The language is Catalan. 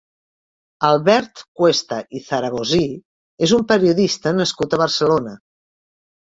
Albert Cuesta i Zaragosí és un periodista nascut a Barcelona.